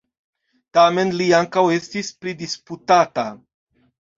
Tamen li ankaŭ estis pridisputata.